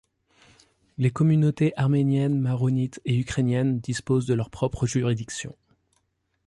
Les communautés arménienne, maronite et ukrainienne disposent de leurs propres juridictions.